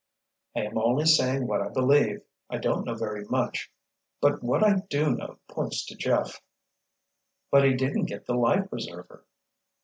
"I am only saying what I believe. I don't know very much. But what I do know points to Jeff." "But he didn't get the life preserver."